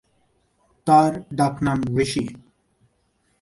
তার ডাক নাম ঋষি।